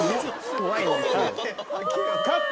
怖い。